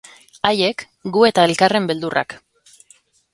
Haiek, gu eta elkarren beldurrak.